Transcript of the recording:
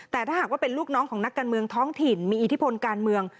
แต่ถ้าหากว่าเป็นลูกน้องของนักการเมืองท้องถิ่นมีอิทธิพลการเมือง